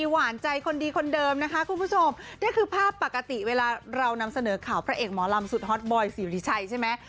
หวานใจคนดีคนเดิมนะคะคุณผู้ชมนี่คือภาพปกติเวลาเรานำเสนอข่าวพระเอกหมอลำสุดฮอตบอยสิริชัยใช่ไหม